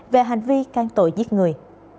về hành vi can tội giết người